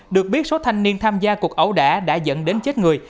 được biết số thanh niên tham gia cuộc ẩu đả đã dẫn đến chết người